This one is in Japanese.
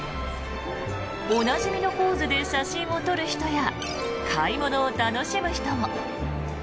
おなじみのポーズで写真を撮る人や買い物を楽しむ人も。